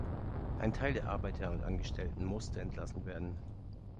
Ein Teil der Arbeiter und Angestellten musste entlassen werden.